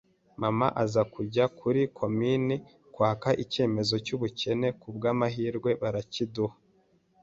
maman aza kujya kuri komini kwaka icyemezo cy’ubukene ku bwa amahirwe barakiduha